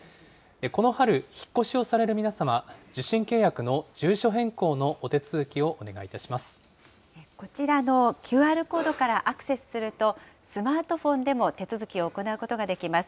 この春、引っ越しをされる皆様、受信契約の住所変更のお手続きをこちらのＱＲコードからアクセスすると、スマートフォンでも手続きを行うことができます。